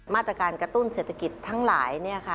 มาตรการกระตุ้นเศรษฐกิจทั้งหลาย